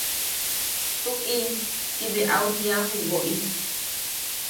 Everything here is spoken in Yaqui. –Tuʼi– Ti bea au jiia ju woʼi.